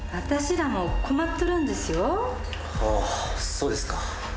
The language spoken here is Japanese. そうですか。